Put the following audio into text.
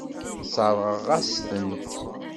Sseṛɣeɣ-as-tent.